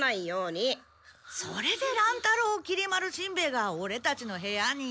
それで乱太郎きり丸しんべヱがオレたちの部屋に。